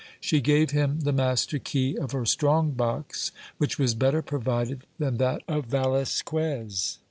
She gave him the master key of her strong box, which was better provided than that of Velasquez.